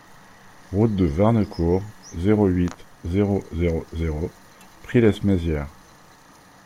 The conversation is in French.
Route de Warnecourt, zéro huit, zéro zéro zéro Prix-lès-Mézières